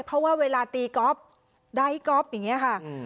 เพราะว่าเวลาตีกอล์ฟได้กอล์ฟอย่างเงี้ยค่ะอืม